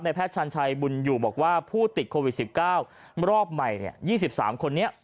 แพทย์ชันชัยบุญอยู่บอกว่าผู้ติดโควิด๑๙รอบใหม่๒๓คนนี้